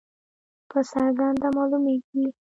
په څرګنده معلومیږي.